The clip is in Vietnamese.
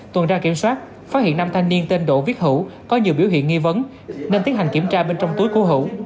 tuần tra kiểm soát phát hiện năm thanh niên tên độ viết hữu có nhiều biểu hiện nghi vấn nên tiến hành kiểm tra bên trong túi của hữu